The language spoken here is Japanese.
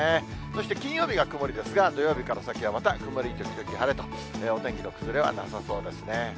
そして金曜日が曇りですが、土曜日から先はまた曇り時々晴れと、お天気の崩れはなさそうですね。